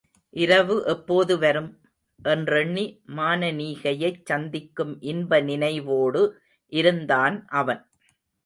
இரவு எப்போது வரும்? என்றெண்ணி மானனீகையைச் சந்திக்கும் இன்ப நினைவோடு இருந்தான் அவன்.